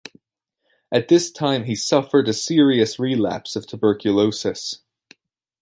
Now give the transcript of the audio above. At this time he suffered a serious relapse of tuberculosis.